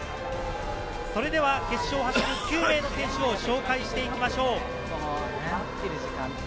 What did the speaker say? それでは決勝を走る９名の選手を紹介していきましょう。